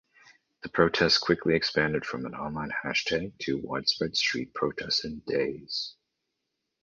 The protests quickly expanded from an online hashtag to widespread street protests in days.